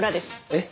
えっ？